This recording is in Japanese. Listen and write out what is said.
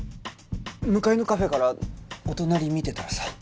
向かいのカフェからお隣見てたらさ。